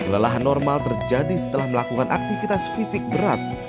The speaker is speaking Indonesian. kelelahan normal terjadi setelah melakukan aktivitas fisik berat